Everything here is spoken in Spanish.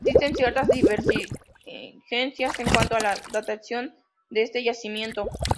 Existen ciertas divergencias en cuanto a la datación de este yacimiento.